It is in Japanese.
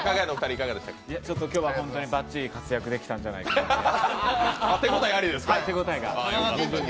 今日はばっちり活躍できたんじゃないかと、手応えが。